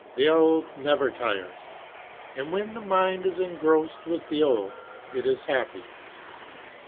The old never tires, and when the mind is engrossed with the old it is happy.